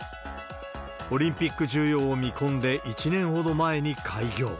オリンピック需要を見込んで１年ほど前に開業。